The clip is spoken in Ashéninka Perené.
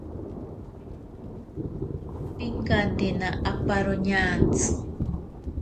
Pinkantena aparo ñantsi.